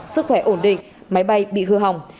sức khỏe ổn định máy bay bị hư hỏng